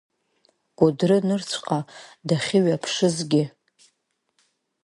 Кәыдры нырцәҟа дахьыҩаԥшызгьы…